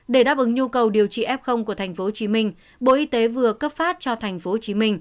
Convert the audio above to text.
để đáp ứng nhu cầu điều trị f của tp hcm bộ y tế vừa cấp phát cho tp hcm